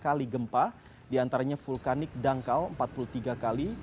satu ratus delapan puluh dua kali gempa diantaranya vulkanik dangkal empat puluh tiga kali